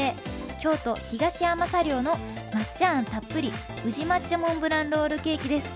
京都・東山茶寮の抹茶餡たっぷり宇治抹茶モンブランロールケーキです。